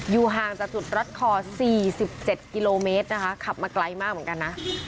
ห่างจากจุดรัดคอ๔๗กิโลเมตรนะคะขับมาไกลมากเหมือนกันนะ